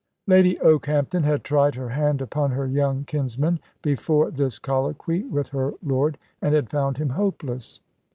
Lady Okehampton had tried her hand upon her young kinsman before this colloquy with her lord, and had found him hopeless.